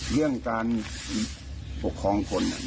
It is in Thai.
เรื่องการปกครองคน